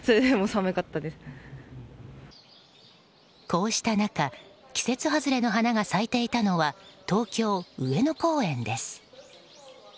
こうした中季節外れの花が咲いていたのは東京・上野公園です。